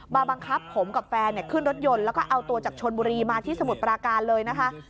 บังคับผมกับแฟนขึ้นรถยนต์แล้วก็เอาตัวจากชนบุรีมาที่สมุทรปราการเลยนะคะ